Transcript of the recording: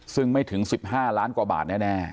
ซึ่งไม่ถึง๑๕ล้านกว่าบาทแน่